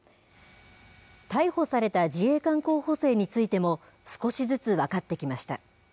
逮捕された自衛官候補生についても、少しずつ分かってきました。